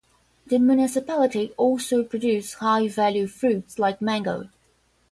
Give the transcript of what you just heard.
The municipality also produces high value fruits like mango.